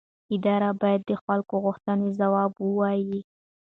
ادارې باید د خلکو غوښتنو ځواب ووایي